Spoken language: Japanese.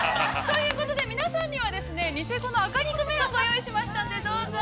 ◆ということで、皆さんには、ニセコの赤肉メロンを用意しましたので、どうぞ。